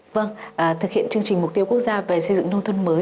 vâng thực hiện chương trình mục tiêu quốc gia về xây dựng nông thôn mới